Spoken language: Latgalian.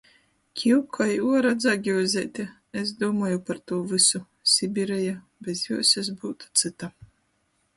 Kiukoj, uora dzagiuzeite. es dūmoju par tū vysu. Sibireja. Bez juos es byutu cyta.